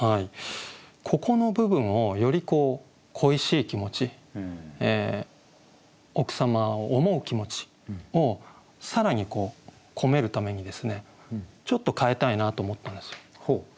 ここの部分をより恋しい気持ち奥様を思う気持ちを更にこめるためにですねちょっと変えたいなと思ったんですよ。